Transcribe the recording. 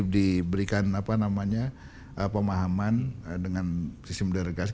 diberikan pemahaman dengan sistem delegasi